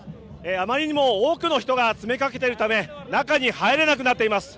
あまりにも多くの人が詰めかけているため中に入れなくなっています。